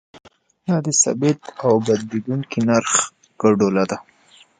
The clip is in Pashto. دا د ثابت او بدلیدونکي نرخ ګډوله ده.